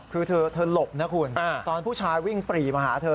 คือเธอหลบนะคุณตอนผู้ชายวิ่งปรีมาหาเธอ